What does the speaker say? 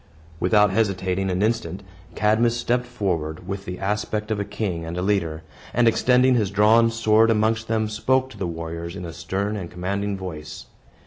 Without hesitating an instant, Cadmus stepped forward, with the aspect of a king and a leader, and extending his drawn sword amongst them, spoke to the warriors in a stern and commanding voice.